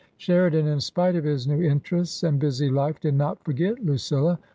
Sheridan, in spite of his new interests and busy life, did not forget Lucilla.